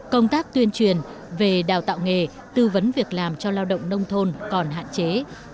công tác tuyên truyền về đào tạo nghề tư vấn việc làm cho lao động nông thôn còn hạn chế